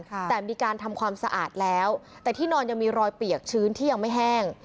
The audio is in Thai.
แต่มีการทำความสะอาดแล้วแต่ที่นอนยังมีรอยเปียกชื้นที่ยังไม่แห้ง